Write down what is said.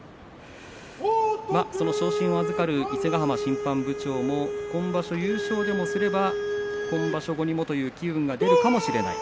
昇進が懸かる伊勢ヶ濱審判部長も今場所、優勝でもすれば今場所後にもという意見が出るかもしれない。